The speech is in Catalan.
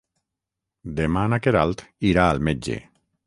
Demà na Queralt irà al metge.